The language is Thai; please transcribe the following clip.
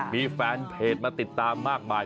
มีแฟนเพจมาติดตามมากมาย